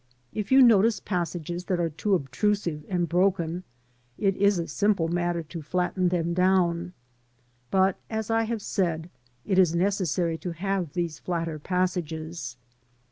If you notice passages that are too obtrusive and broken, it is a simple matter to flatten them down; but, as I have said, it is necessary to have these flatter passages.